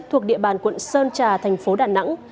thuộc địa bàn quận sơn trà tp đà nẵng